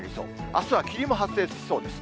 あすは霧も発生しそうです。